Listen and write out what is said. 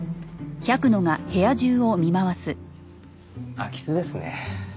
空き巣ですね。